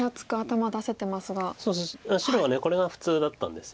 白はこれが普通だったんです。